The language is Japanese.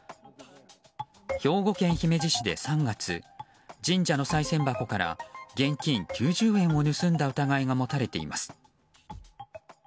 兵庫県姫路市で、３月神社のさい銭箱から現金９０円を盗んだ疑いが持たれています。